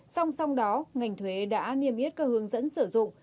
song song đó ngành thuế đã niêm yết các hướng dẫn sử dụng